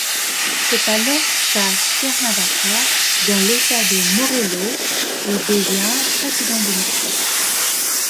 C'est alors qu'à Cuernavaca dans l'État de Morelos il devient Président du Mexique.